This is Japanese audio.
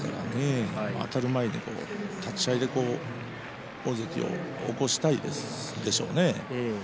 あたる前、立ち合いで相手を起こしたいでしょうね。